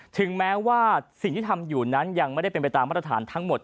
ถึงแม้ว่าสิ่งที่ทำอยู่นั้นยังไม่ได้เป็นไปตามมาตรฐานทั้งหมด